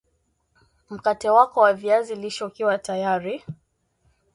mkate wako wa viazi lishe ukiwa tayari